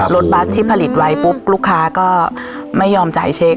บัสที่ผลิตไว้ปุ๊บลูกค้าก็ไม่ยอมจ่ายเช็ค